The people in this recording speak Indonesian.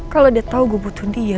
kalo dia tau gue butuh dia